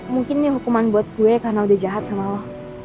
mungkin ini hukuman buat gue karena udah jahat sama lo